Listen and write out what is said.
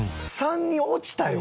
３に落ちたよ